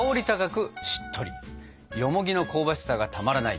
よもぎの香ばしさがたまらない